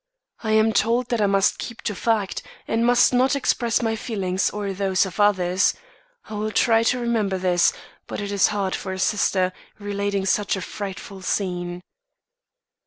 I am told that I must keep to fact, and must not express my feelings, or those of others. I will try to remember this; but it is hard for a sister, relating such a frightful scene.